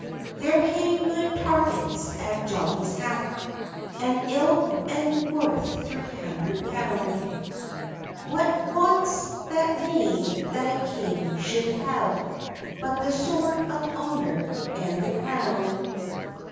There hang nine targats {90a} at Johnnie's hat, An ilk ane worth three hundred pound: "What wants that knave that a king shou'd have, But the sword of honour and the crown?